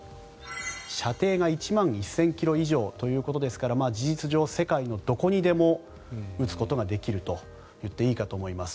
射程が１万１０００ｋｍ以上ということですから事実上、世界のどこにでも撃つことができると言っていいかと思います。